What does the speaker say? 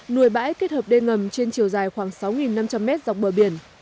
nùi bãi kết hợp đê ngầm trên chiều dài khoảng sáu năm trăm linh m dọc bờ biển